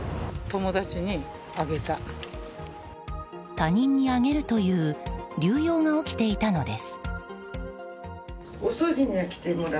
他人に挙げるという流用が起きていたのです。